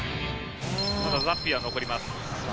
ただザッピーは残ります。